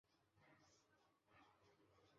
方平曾与冲应元君麻姑对谈。